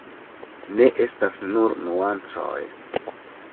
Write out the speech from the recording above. Ne estas nur nuancoj.